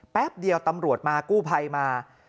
แป๊บเดียวตำรวจมากู้ภัยมา